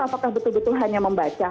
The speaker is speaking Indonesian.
apakah betul betul hanya membaca